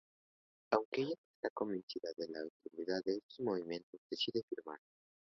Aunque ella no está convencida de la utilidad de estos movimientos, decide firmar.